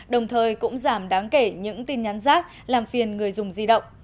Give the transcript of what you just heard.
đồng thời cũng giảm đáng kể những tin nhắn rác làm phiền người dùng di động